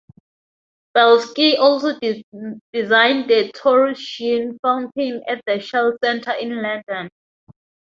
Belsky also designed the Torsion Fountain at the Shell Centre in London.